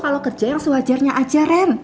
kalau kerja yang sewajarnya aja ren